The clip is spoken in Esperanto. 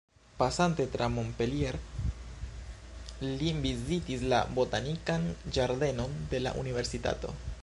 Pasante tra Montpellier, li vizitis la botanikan ĝardenon de la Universitato.